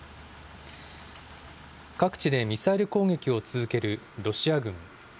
各地でミサイル攻撃を続けるロシア軍。